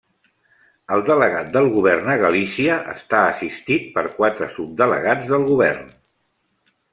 El delegat del Govern a Galícia està assistit per quatre subdelegats del Govern.